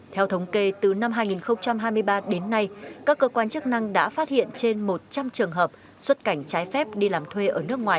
theo thống kê từ năm hai nghìn hai mươi ba đến nay các cơ quan chức năng đã phát hiện trên một trăm linh trường hợp xuất cảnh trái phép đi làm thuê ở nước ngoài